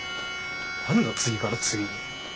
何だ次から次に。